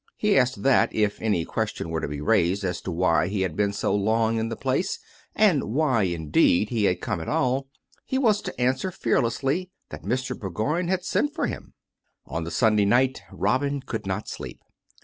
He added that if any question were to be raised as to why he had been so long in the place, and why, indeed, he had come at all, he was to answer fearlessly that Mr. Bour goign had sent for him. On the Sunday night Robin could not sleep.